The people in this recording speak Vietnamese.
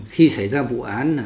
khi xảy ra vụ án